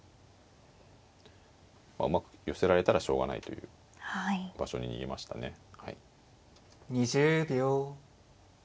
まあうまく寄せられたらしょうがないという場所に逃げましたね。